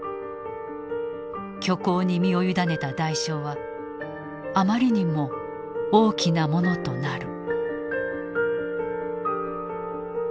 虚構に身を委ねた代償はあまりにも大きなものとなる。